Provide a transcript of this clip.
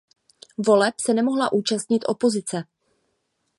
Voleb se nemohla účastnit opozice.